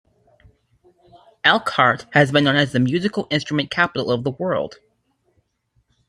Elkhart has been known as "The Musical Instrument Capital of the World".